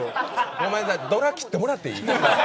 ごめんなさい、ドラ切ってもらっていい？